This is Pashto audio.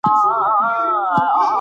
د امنیت ساتل د ماشومانو د پلار دنده ده.